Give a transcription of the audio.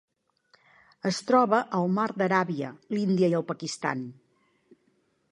Es troba al mar d'Aràbia: l'Índia i el Pakistan.